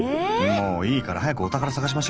もういいから早くお宝探しましょ。